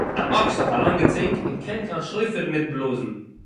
אַן אָקס האָט אַ לאַנגע צונג און קען קיין שופֿר ניט בלאָזן.